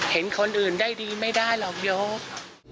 เห็นคนอื่นได้ดีไม่ได้หรอกยก